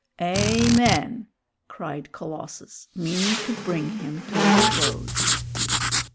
"Amen!" cried Colossus, meaning to bring him to a close.